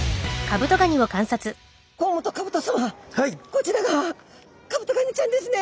こちらがカブトガニちゃんですね。